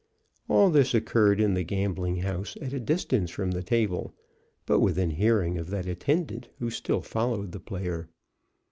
All this occurred in the gambling house at a distance from the table, but within hearing of that attendant who still followed the player.